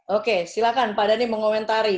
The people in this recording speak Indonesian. oke silakan pak dhani mengomentari